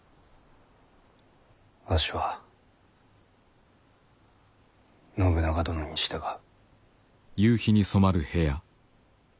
わしは信長殿に従う。